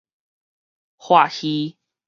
喝唏